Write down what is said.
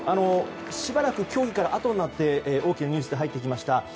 しばらく競技からあとになってニュースとして入ってきました。